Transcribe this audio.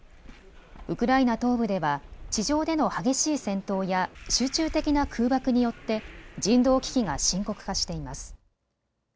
ウクライナ東部では地上での激しい戦闘や集中的な空爆によって人道危機が深刻化しています。